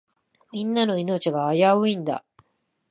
みんなの命が危ういんだ。